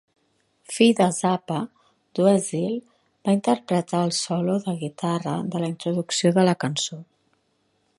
Fill de Zappa, Dweezil va interpretar el solo de guitarra de la introducció de la cançó.